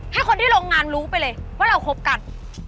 ให้คนที่โรงงานรู้ไปเลยว่าเราคบกัน